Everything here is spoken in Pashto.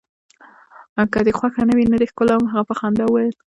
که دي خوښه نه وي، نه دي ښکلوم. هغه په خندا وویل.